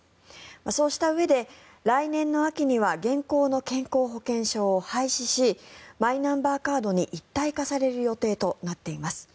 そうしたうえで、来年の秋には現行の健康保険証を廃止しマイナンバーカードに一体化される予定となっています。